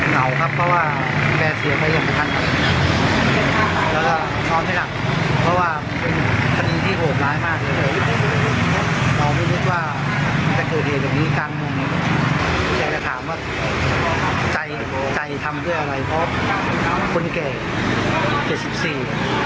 จิตใจทำด้วยอะไรเพราะคนแก่๗๔ปี